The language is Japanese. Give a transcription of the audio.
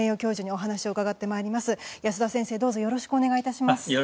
どうぞよろしくお願い致します。